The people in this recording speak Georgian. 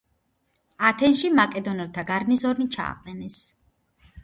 ათენში მაკედონელთა გარნიზონი ჩააყენეს.